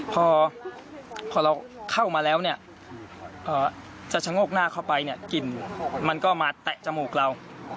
พอเราเข้ามาแล้วเนี่ยจะชะโงกหน้าเข้าไปเนี่ยกลิ่นมันก็มาแตะจมูกเรา